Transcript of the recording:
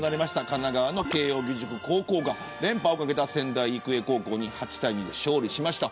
神奈川の慶応義塾高校が連覇を懸けた仙台育英高校に８対２で勝利しました。